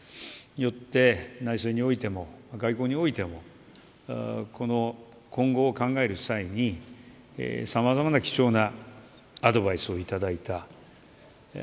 よって内政においても外交においても今後を考える際にさまざまな貴重なアドバイスをいただいた。